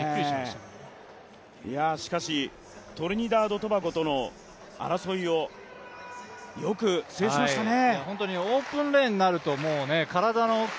しかし、トリニダード・トバゴとの争いをよく制しましたね。